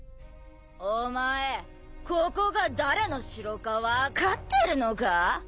お前ここが誰の城か分かってるのか？